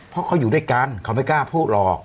เพราะเขาอยู่ด้วยกันเขาไม่กล้าพูดหรอก